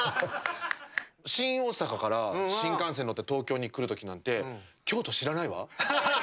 新大阪から、新幹線に乗って東京に来るときなんて京都、知らないわ。